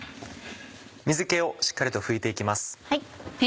水気をしっかりと拭いて行きます。